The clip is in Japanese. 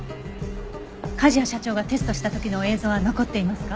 梶谷社長がテストした時の映像は残っていますか？